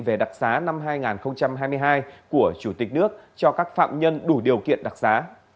về đặc giá năm hai nghìn hai mươi hai của chủ tịch nước cho các phạm nhân đủ điều kiện đặc xá